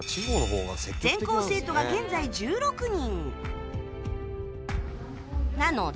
全校生徒が現在１６人